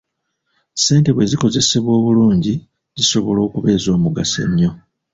Ssente bwezikozesebwa obulungi zisobola okuba ez'omugaso ennyo.